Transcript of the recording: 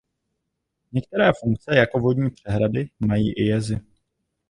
Některé funkce jako vodní přehrady mají i jezy.